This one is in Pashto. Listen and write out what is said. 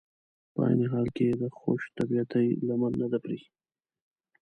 په عین حال کې یې د خوش طبعیتي لمن نه ده پرېښي.